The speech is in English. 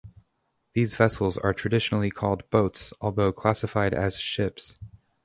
These vessels are traditionally called boats, although classified as ships.